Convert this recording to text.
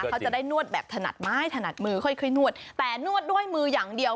เขาจะได้นวดแบบถนัดไม้ถนัดมือค่อยนวดแต่นวดด้วยมืออย่างเดียว